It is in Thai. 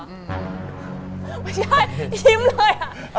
ไม่ได้ยิ้มเลยอะ